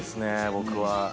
僕は。